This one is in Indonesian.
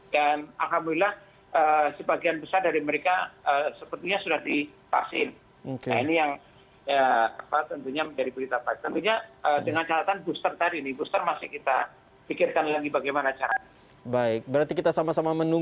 dan alhamdulillah sebagian besar dari mereka sepertinya sudah dipaksiin